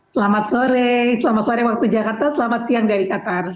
selamat sore selamat sore waktu jakarta selamat siang dari qatar